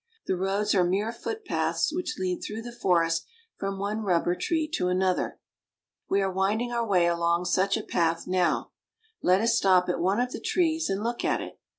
The roads are mere footpaths which lead through the forest from one rubber tree to another. We are winding our way along such a path now. Let us stop at one of the trees and look at it.